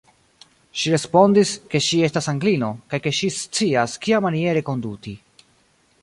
Ŝi respondis, ke ŝi estas Anglino, kaj ke ŝi scias, kiamaniere konduti.